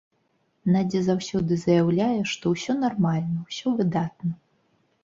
Надзя заўсёды заяўляе, што ўсё нармальна, усё выдатна.